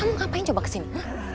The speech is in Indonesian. kamu ngapain coba kesini